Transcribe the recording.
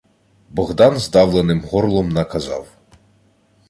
Богдан здавленим горлом наказав: